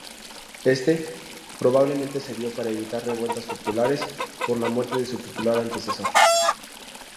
Este probablemente cedió para evitar revueltas populares por la muerte de su popular antecesor.